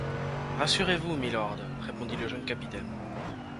Rassurez-vous, mylord, répondit le jeune capitaine.